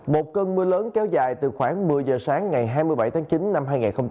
một cơn mưa lớn kéo dài từ khoảng một mươi giờ sáng ngày hai mươi bảy tháng chín năm hai nghìn hai mươi